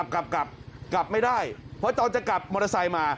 กลับกลับไม่ได้เพราะตอนจะกลับมอเตอร์ไซค์มา